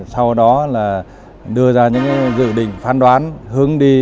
sau đó là đưa ra những dự định phán đoán hướng đi